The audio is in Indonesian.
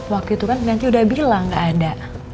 waktu itu kan yanti udah bilang gak ada